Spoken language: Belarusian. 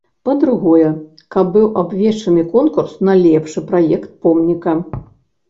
Па-другое, каб быў абвешчаны конкурс на лепшы праект помніка.